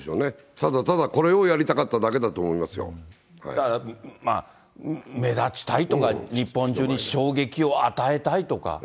ただただこれをやりたかっただけだから、目立ちたいとか、日本中に衝撃を与えたいとか。